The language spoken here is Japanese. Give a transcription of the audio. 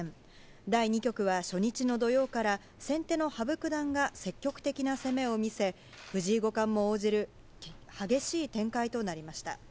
第２局は初日のきのうから先手の羽生九段が積極的な攻めを見せ、藤井五冠も応じる激しい展開となりました。